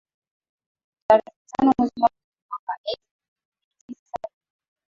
tarehe tano mwezi wa pili mwaka elfu moja mia tisa sabini